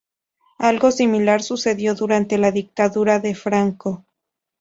Algo similar sucedió durante la dictadura de Franco.